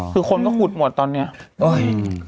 คือคนก็หุดหมวดตอนนี้